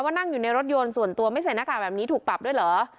นั่งอยู่ในรถยนต์ส่วนตัวไม่ใส่หน้ากากแบบนี้ถูกปรับด้วยเหรอ